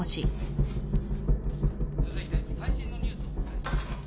続いて最新のニュースをお伝えします。